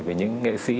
với những nghệ sĩ